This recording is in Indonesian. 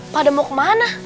pak deh mau ke mana